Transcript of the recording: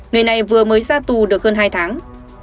người này vừa mới ra tù được hơn hai tháng